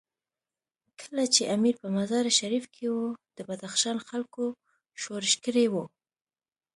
کله چې امیر په مزار شریف کې وو، د بدخشان خلکو ښورښ کړی وو.